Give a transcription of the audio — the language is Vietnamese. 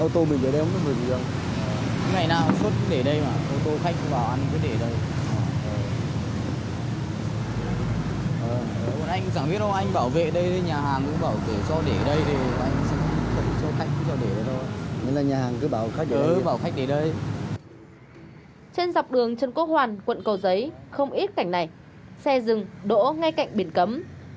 trên dọc đường trần quốc hoàn quận cầu giấy không ít cảnh này xe dừng đỗ ngay cạnh biển cấm